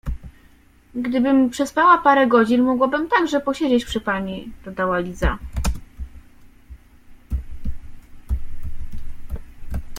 — Gdybym przespała parę godzin, mogłabym także posiedzieć przy pani — dodała Liza.